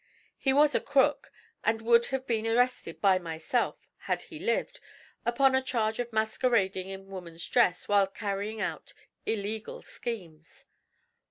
He was a 'crook,' and would have been arrested by myself, had he lived, upon a charge of masquerading in woman's dress while carrying out illegal schemes.